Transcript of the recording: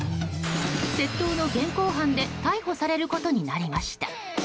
窃盗の現行犯で逮捕されることになりました。